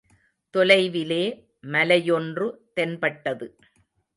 தொலைவிலே மலையொன்று தென்பட்டது.